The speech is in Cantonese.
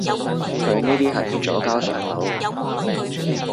佢呢啲係左膠上腦